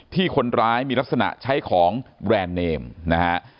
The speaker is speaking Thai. ที่คนร้ายมีลักษณะใช้ของแบรนด์เนมนะฮะ